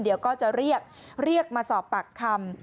เดี๋ยวก็จะเรียกเรียกมาสอบปากคำ